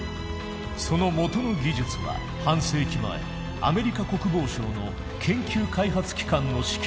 そのもとの技術は半世紀前アメリカ国防省の研究開発機関の指揮のもと生まれた。